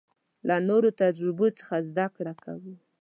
له نورو تجربو څخه زده کړه کوو.